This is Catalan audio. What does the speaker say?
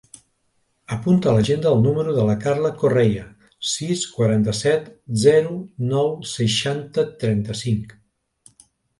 Apunta a l'agenda el número de la Carla Correia: sis, quaranta-set, zero, nou, seixanta, trenta-cinc.